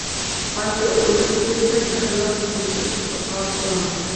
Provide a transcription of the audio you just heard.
Balki oʻlib ketsang, hayot sensiz qiziqroq boʻlarmidi?